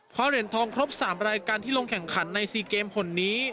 เหรียญทองครบ๓รายการที่ลงแข่งขันใน๔เกมคนนี้